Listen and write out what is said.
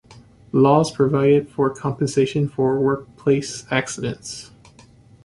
Laws provided for compensation for workplace accidents.